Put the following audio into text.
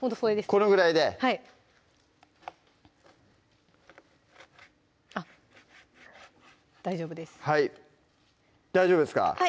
このぐらいではい大丈夫です大丈夫ですか？